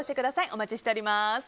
お待ちしております。